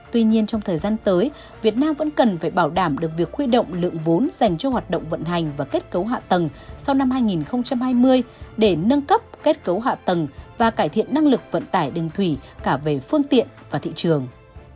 tuy nhiên trong thời gian tới việt nam vẫn cần phải bảo đảm được việc khuy động lượng vốn dành cho hoạt động vận hành và kết cấu hạ tầng sau năm hai nghìn hai mươi để nâng cấp kết cấu hạ tầng và cải thiện năng lực vận tải đường thủy cả về phương tiện và thị trường